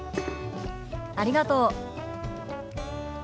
ありがとう。